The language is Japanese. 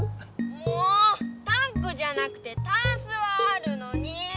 もうタンクじゃなくてタンスはあるのに！